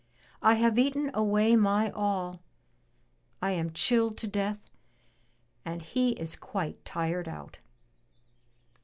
I have eaten away my all. I am chilled to death and he is quite tired out.''